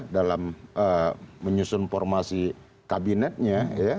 dalam menyusun formasi kabinetnya